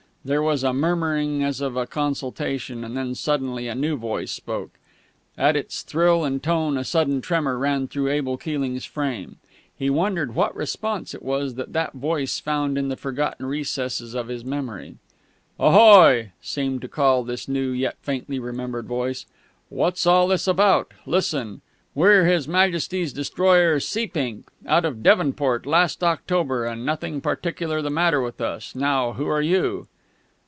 There was a murmuring, as of a consultation, and then suddenly a new voice spoke. At its thrill and tone a sudden tremor ran through Abel Keeling's frame. He wondered what response it was that that voice found in the forgotten recesses of his memory.... "Ahoy!" seemed to call this new yet faintly remembered voice. "What's all this about? Listen. We're His Majesty's destroyer Seapink, _out of Devonport last October, and nothing particular the matter with us. Now who are you?